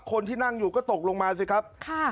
คนที่นั่งอยู่ก็ตกลงมาสิครับ